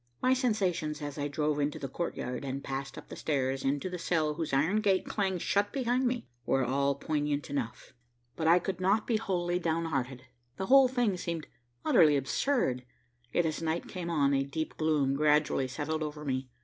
My sensations as I drove into the courtyard and passed up the stairs, into the cell whose iron gate clanged shut behind me, were all poignant enough, but I could not be wholly downhearted. The whole thing seemed utterly absurd, yet as night came on, a deep gloom gradually settled over me.